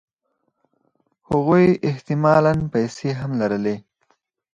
هغوی احتمالاً پیسې هم لرلې